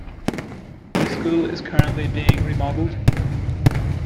The school is currently being remodeled.